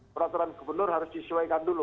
peraturan gubernur harus disesuaikan dulu